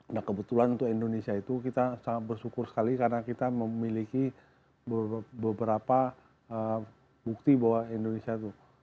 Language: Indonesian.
nah kebetulan untuk indonesia itu kita sangat bersyukur sekali karena kita memiliki beberapa bukti bahwa indonesia itu